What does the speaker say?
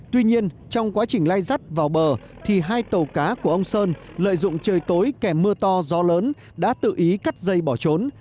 tuy nhiên trong quá trình lai rắt vào bờ thì hai tàu cá của ông sơn lợi dụng trời tối kèm mưa to gió lớn đã tự ý cắt dây bỏ trốn